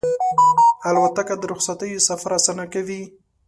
الوتکه د رخصتیو سفر اسانه کوي.